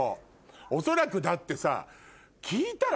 恐らくだってさ聞いたら。